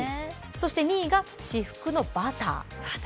そして２位が至福のバター。